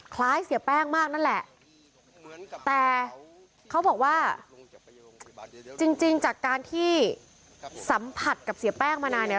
คล้ายเสียแป้งมากนั่นแหละแต่เขาบอกว่าจริงจากการที่สัมผัสกับเสียแป้งมานานเนี่ย